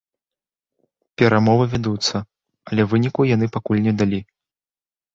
Перамовы вядуцца, але выніку яны пакуль не далі.